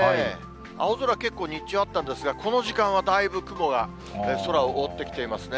青空、結構、日中あったんですが、この時間はだいぶ雲が空を覆ってきていますね。